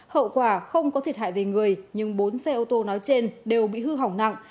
hậu quả không có thiệt hại về người nhưng bốn xe ô tô nói trên đều bị hư hỏng nặng